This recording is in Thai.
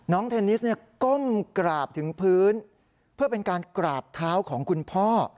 เทนนิสเนี่ยก้มกราบถึงพื้นเพื่อเป็นการกราบเท้าของคุณพ่อ